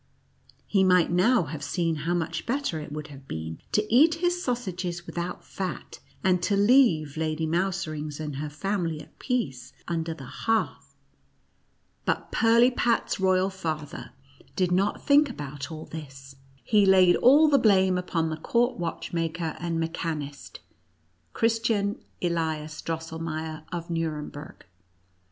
He might now have seen how much better it would have been to eat his sausages without fat, and to leave Lady Mouse rings and her family at peace under the hearth ; but Pirlipat's royal father did not think about 70 NUTCRACKER AND MOUSE EUTa this, lie laid all tlie blame upon the court watch maker and mechanist, Christian Elias Drossel meier of Nuremburg.